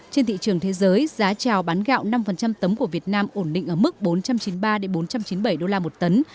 trên thị trường thế giới giá trào bán gạo năm tấm của việt nam ổn định ở mức bốn trăm chín mươi ba bốn trăm chín mươi bảy đô la một tấn